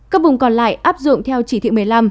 các vùng còn lại áp dụng theo chỉ thị một mươi năm